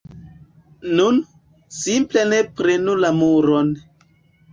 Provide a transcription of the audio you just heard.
Nun, simple ne prenu la muron